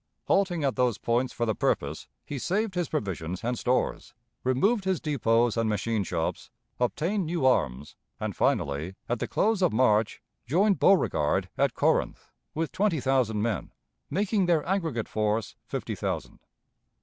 Halting at those points for the purpose, he saved his provisions and stores, removed his depots and machine shops, obtained new arms, and finally, at the close of March, joined Beauregard at Corinth with twenty thousand men, making their aggregate force fifty thousand.